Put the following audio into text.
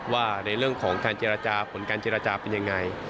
ว่าในเรื่องของการเจรจาผลการเจรจาเป็นยังไง